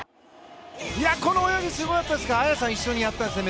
この泳ぎすごかったですが、綾さん一緒にやったんですよね。